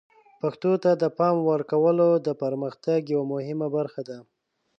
پښتو ته د پام ورکول د پرمختګ یوه مهمه برخه ده.